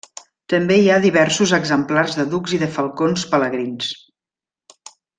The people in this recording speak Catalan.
També hi ha diversos exemplars de ducs i de falcons pelegrins.